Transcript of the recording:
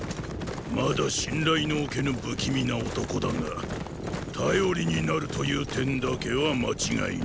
まだ信頼の置けぬ不気味な男だが頼りになるという点だけは間違いない。